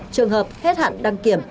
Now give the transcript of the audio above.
trường hợp hết hạn đăng kiểm